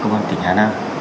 công an tỉnh hà nam